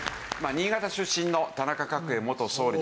新潟出身の田中角栄元総理ですけどね